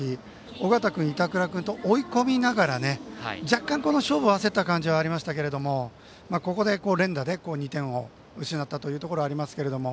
緒方君、板倉君と追い込みながら若干勝負を焦った感じはありましたがここで連打で２点を失ったというところはありますけども。